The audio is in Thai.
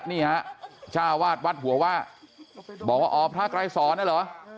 นี่ฮะจ้าวาดวัดหัวว่าบอกว่าอ๋อพระไกรสอนน่ะเหรอ